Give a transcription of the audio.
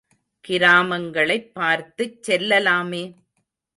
கிராமங்களைப் பார்த்துச் செல்லலாமே?